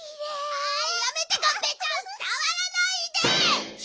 ああやめてがんぺーちゃんさわらないで！